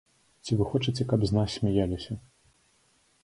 Ці вы хочаце, каб з нас смяяліся?